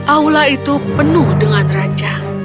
aula itu penuh dengan raja